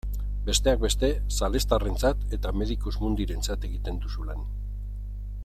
Besteak beste salestarrentzat eta Medicus Mundirentzat egiten duzu lan.